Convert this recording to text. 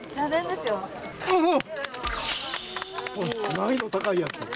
難易度高いやつ。